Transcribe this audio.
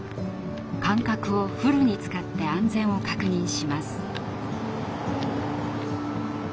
感覚をフルに使って安全を確認します。